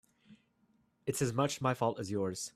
It's as much my fault as yours.